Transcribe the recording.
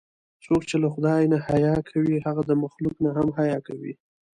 څوک چې له خدای نه حیا کوي، هغه د مخلوق نه هم حیا کوي.